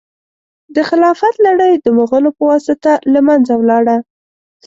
د خلافت لړۍ د مغولو په واسطه له منځه ولاړه.